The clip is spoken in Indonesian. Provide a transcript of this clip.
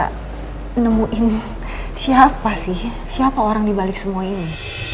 menemuin siapa sih siapa orang dibalik semua ini